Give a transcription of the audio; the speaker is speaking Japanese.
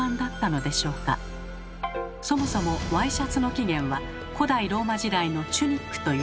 そもそもワイシャツの起源は古代ローマ時代の「チュニック」といわれています。